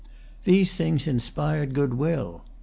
These things inspired good will.